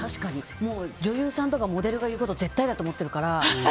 女優さんとかモデルさんが言うこと絶対だと思ってるから。